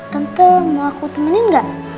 tante mau aku temenin gak